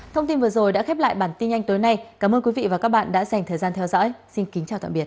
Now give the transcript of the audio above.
thông tin vừa rồi đã khép lại bản tin nhanh tối nay cảm ơn quý vị và các bạn đã dành thời gian theo dõi xin kính chào tạm biệt